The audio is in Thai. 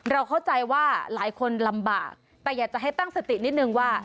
เราเข้าใจว่าหลายคนลำบากแต่อยากจะให้ตั้งสตินิดนึงว่า